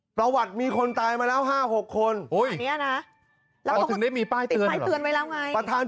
ประวัติมีคนตายมาแล้ว๕๖คน